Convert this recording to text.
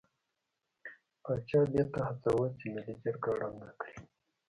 پاچا دې ته هڅاوه چې ملي جرګه ړنګه کړي.